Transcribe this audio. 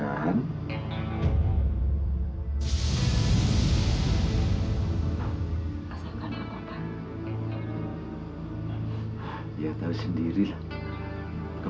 ambil disini aja